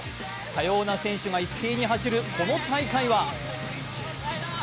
多様な選手が一斉に走る、この大会は？